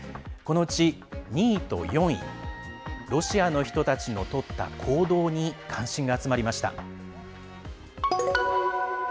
このうち２位と４位ロシアの人たちのとった行動に関心が集まりました。